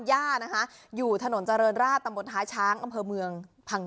ย่านะคะอยู่ถนนเจริญราชตำบลท้ายช้างอำเภอเมืองพังง